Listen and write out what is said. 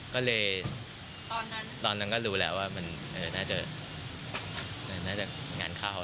ก็เลยตอนนั้นก็รู้แล้วว่ามันน่าจะงานเข้าแล้วแล้วมันน่าจะเต็มมาแล้ว